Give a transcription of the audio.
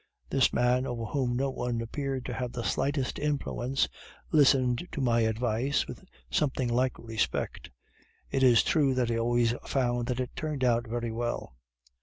This man, over whom no one appeared to have the slightest influence, listened to my advice with something like respect. It is true that he always found that it turned out very well.